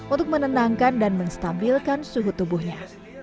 untuk menenangkan dan menstabilkan suhu tubuhnya